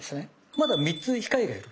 まだ３つ控えがいる。